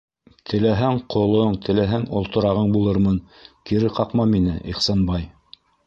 Теләһәң, ҡолоң, теләһәң, олторағың булырмын - кире ҡаҡма мине, Ихсанбай!!!